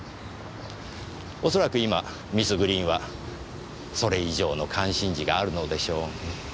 恐らく今ミス・グリーンはそれ以上の関心事があるのでしょう。